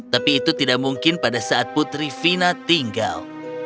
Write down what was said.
tapi itu tidak mungkin pada saat putri fina tinggal